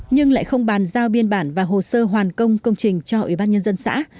nhưng lại không bàn giao biên bản và hồ sơ hoàn công công trình cho ủy ban nhân dân xã